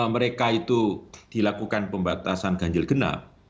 mereka itu dilakukan pembatasan ganjil genap